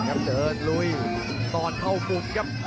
ครับเดินลุยตอนเข้าฝุ่นครับ